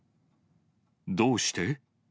どうして？